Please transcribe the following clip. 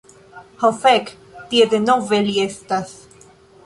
Ho fek. Tie denove li estas.